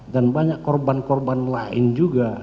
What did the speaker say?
dan banyak korban korban lain juga